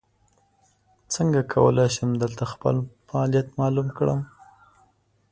څنګه کولی شم دلته خپل فعالیت معلوم کړم ؟